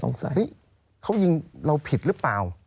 สงสัยเขายิงเราผิดหรือเปล่า